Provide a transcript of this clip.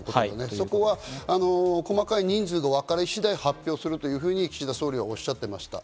そこは細かい人数がわかり次第発表するというふうに岸田総理はおっしゃっていました。